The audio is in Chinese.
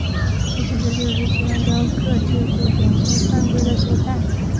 其实这就是西方雕刻之古典性规范的所在。